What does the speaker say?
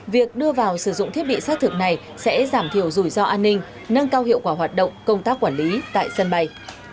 việc đưa vào sử dụng thiết bị xác thực này sẽ giảm thiểu rủi ro an ninh nâng cao hiệu quả hoạt động công tác quản lý tại sân bay